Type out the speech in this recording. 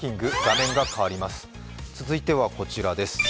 続いてはこちらです。